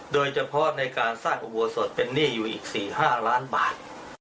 โดยเฉพาะในการสร้างอุโบสถเป็นหนี้อยู่อีก๔๕ล้านบาท